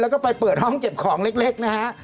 แล้วก็ไปเปิดห้องเก็บของเล็กนะฮะ